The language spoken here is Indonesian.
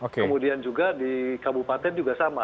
kemudian juga di kabupaten juga sama